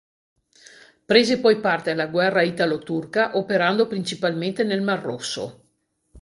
Prese poi parte alla guerra italo turca operando principalmente nel Mar Rosso.